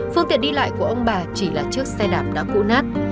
phương tiện đi lại của ông bà chỉ là chiếc xe đạp đã cũ nát